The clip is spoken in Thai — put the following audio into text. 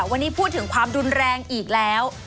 วันนี้พูดถึงความรุนแรงอีกแล้ว